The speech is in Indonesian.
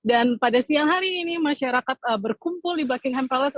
dan pada siang hari ini masyarakat berkumpul di buckingham palace